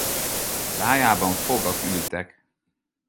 Szájában fogak ültek.